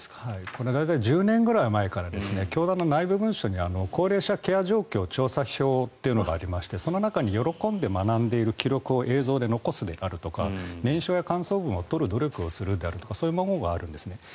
これは大体１０年ぐらい前から教団の内部文書に高齢者ケア状況調査票というのがありましてその中に喜んで学んでいる様子を映像で残すであるとか念書や感想文を取る努力をするであるとかそういう文言があるんです。